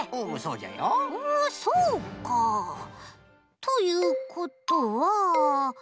うんそうか。ということはあっ！